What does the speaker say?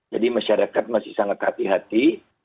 jadi masyarakat masih sangat hati hati